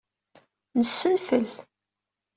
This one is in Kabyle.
Nessenfel.